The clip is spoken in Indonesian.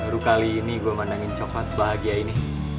baru kali ini gua mandangin cokelat sebahagia ini